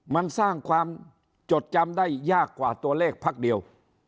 มันสร้างความจดจำได้ยากกว่าตัวเลขพักเดียว